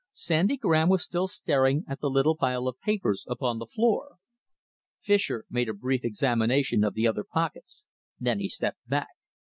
Sandy Graham was still staring at the little pile of papers upon the floor. Fischer made a brief examination of the other pockets. Then he stepped back.